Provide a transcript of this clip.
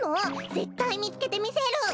ぜったいみつけてみせる！